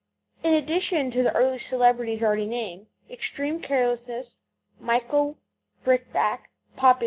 In addition to the early celebrities already named, Extreme Carelessness, Michael, Brickbat, Poppy II.